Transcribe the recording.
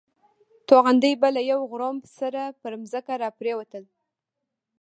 توغندي به له یو غړومب سره پر ځمکه را پرېوتل.